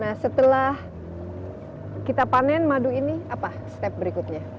nah setelah kita panen madu ini apa step berikutnya